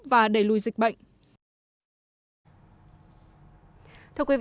và đẩy lùi dịch bệnh